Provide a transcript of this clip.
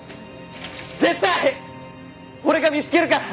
絶対俺が見つけるから！